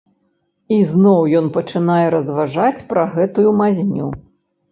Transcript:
Ізноў ён пачынае разважаць пра гэтую мазню.